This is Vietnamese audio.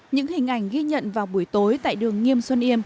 những hình ảnh ghi nhận vào buổi tối tại đường nghiêm xuân yêm